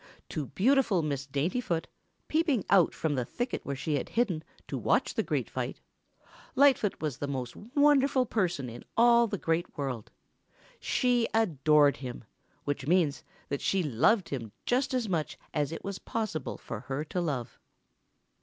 To beautiful Miss Daintyfoot, peeping out from the thicket where she had hidden to watch the great fight, Lightfoot was the most wonderful person in all the Great World. She adored him, which means that she loved him just as much as it was possible for her to love.